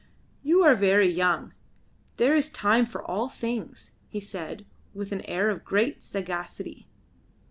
"You are very young; there is time for all things," he said, with an air of great sagacity.